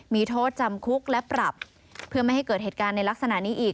มีโทษจำคุกและปรับเพื่อไม่ให้เกิดเหตุการณ์ในลักษณะนี้อีก